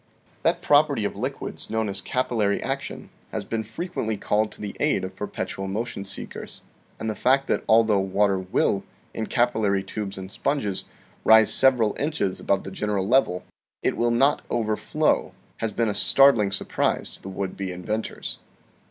PERPETUAL MOTION 53 That property of liquids known as capillary attraction has been frequently called to the aid of perpetual motion seekers, and the fact that although water will, in capillary tubes and sponges, rise several inches above the general level, it will not overflow, has been a startling surprise to the would be inventors.